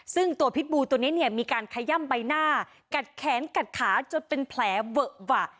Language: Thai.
ซึ่งตัวพิษบูตัวนี้เนี่ยมีการขย่ำใบหน้ากัดแขนกัดขาจนเป็นแผลเวอะหวะ